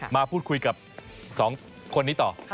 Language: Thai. มาพูดคุยกับ๒คนนี้ต่อ